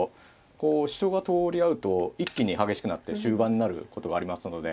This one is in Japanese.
こう主張が通り合うと一気に激しくなって終盤になることがありますので。